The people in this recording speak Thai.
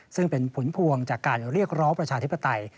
ซึ่งเป็นผลพวงจากการเรียกร้องประชาธิปไตย